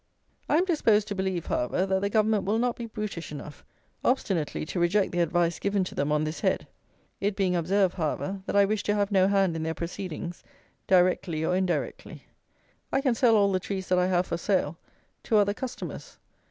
I am disposed to believe, however, that the Government will not be brutish enough, obstinately to reject the advice given to them on this head, it being observed, however, that I wish to have no hand in their proceedings, directly or indirectly. I can sell all the trees that I have for sale to other customers.